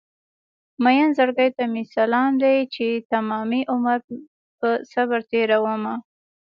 مين زړګي ته مې سلام دی چې تمامي عمر په صبر تېرومه